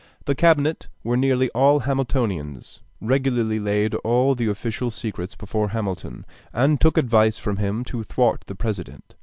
The cabinet were nearly all Hamiltonians, regularly laid all the official secrets before Hamilton, and took advice from him to thwart the President.